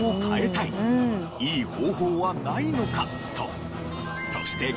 いい方法はないのか？と。